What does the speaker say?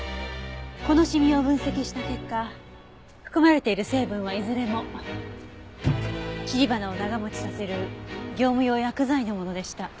このシミを分析した結果含まれている成分はいずれも切り花を長持ちさせる業務用薬剤のものでした。